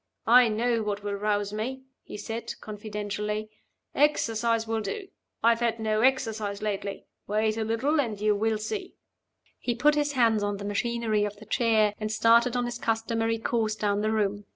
"I know what will rouse me," he said, confidentially. "Exercise will do it. I have had no exercise lately. Wait a little, and you will see." He put his hands on the machinery of the chair, and started on his customary course down the room.